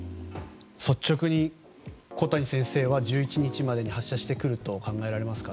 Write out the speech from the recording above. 率直に、小谷先生は１１日までに発射してくると考えられますか？